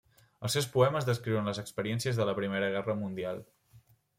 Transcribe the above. Els seus poemes descriuen les experiències de la Primera Guerra Mundial.